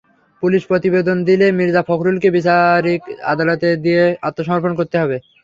Police প্রতিবেদন দিলে মির্জা ফখরুলকে বিচারিক আদালতে গিয়ে আত্মসমর্পণ করতে হবে।